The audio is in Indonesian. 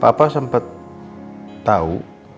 papa sempet tau